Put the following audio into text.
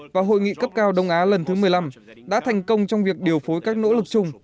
và hội nghị cấp cao đông á lần thứ một mươi năm đã thành công trong việc điều phối các nỗ lực chung